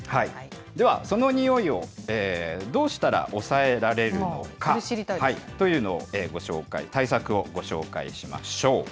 では、そのにおいを、どうしたら抑えられるのか。というのをご紹介、対策をご紹介しましょう。